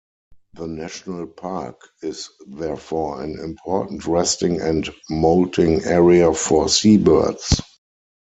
The national park is therefore an important resting and moulting area for seabirds.